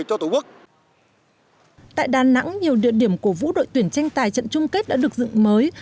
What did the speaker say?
tại đà nẵng nhiều địa điểm cổ vũ đội tuyển tranh tài trận chung kết đã được dựng mới